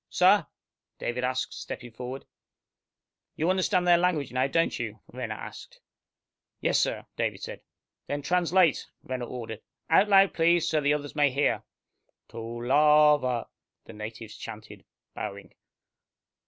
"Sir?" David asked, stepping forward. "You understand their language now, don't you?" Renner asked. "Yes, sir," David said. "Then translate!" Renner ordered. "Out loud, please, so that the others may hear!" "Tolava " the natives chanted, bowing.